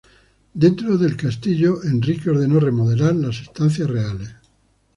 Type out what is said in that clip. Dentro del castillo Enrique ordenó remodelar las estancias reales.